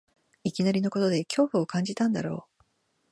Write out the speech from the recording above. いきなりのことで恐怖を感じたんだろう